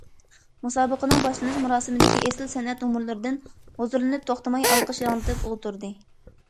مۇسابىقىنىڭ باشلىنىش مۇراسىمىدىكى ئېسىل سەنئەت نومۇرلىرىدىن ھۇزۇرلىنىپ، توختىماي ئالقىش ياڭرىتىپ ئولتۇردى.